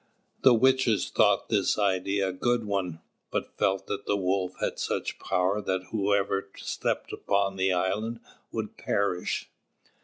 The witches thought this idea a good one, but felt that the Wolf had such power that whoever stepped upon the island would perish.